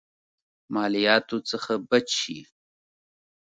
مالياتو څخه بچ شي.